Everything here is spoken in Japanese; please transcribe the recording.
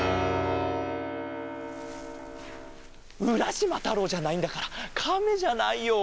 うらしまたろうじゃないんだからカメじゃないよ。